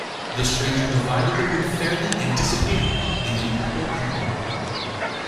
The stranger divided the wood fairly and disappeared, leaving the people in awe.